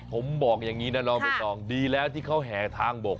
ผมบอกอย่างนี้นะน้องใบตองดีแล้วที่เขาแห่ทางบก